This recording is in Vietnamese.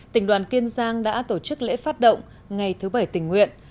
tỉnh đoàn kiên giang đã tổ chức lễ phát động ngày thứ bảy tình nguyện